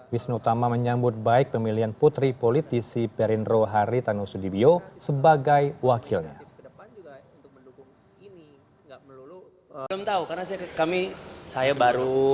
visnutama menyambut baik pemilihan putri politisi perindro hari tanoso dipjo sebagai wakilnya